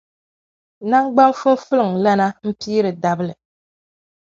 Naŋgban’ fumfulumlana m-piiri dabili.